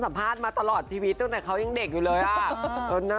สัมภาษณ์มาตลอดชีวิตตั้งแต่เขายังเด็กอยู่เลยอ่ะ